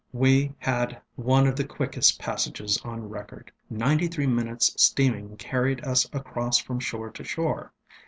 We had one of the quickest passages on recordŌĆöninety three minutesŌĆÖ steaming carried us across from shore to shore.